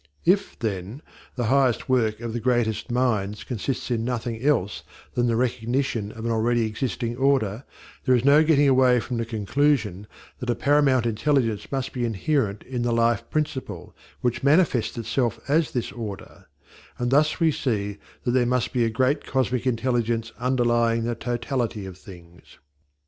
If, then, the highest work of the greatest minds consists in nothing else than the recognition of an already existing order, there is no getting away from the conclusion that a paramount intelligence must be inherent in the Life Principle, which manifests itself as this order; and thus we see that there must be a great cosmic intelligence underlying the totality of things.